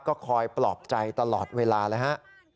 ก็คอยปลอบใจตลอดเวลาเลยฮะ